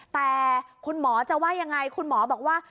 แต่คุณหมอจะว่ายังไงคุณหมอบอกว่า